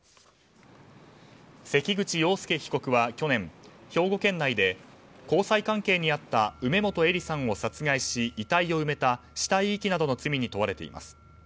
関口羊佑被告は去年兵庫県内で交際関係にあった梅本依里さんを殺害し遺体を埋めた死体遺棄などの罪に問われています。